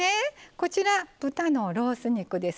こちら豚のロース肉です。